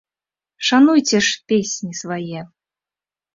Шануйце ж песні свае.